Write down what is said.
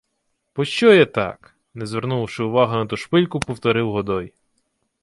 — Пощо є так? — не звернувши уваги на ту шпильку, повторив Годой.